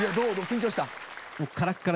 緊張した？